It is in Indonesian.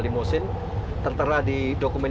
limusin tertera di dokumen